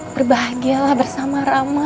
berbahagialah bersama rama